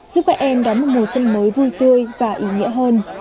giúp các em đón một mùa xuân mới vui tươi và ý nghĩa hơn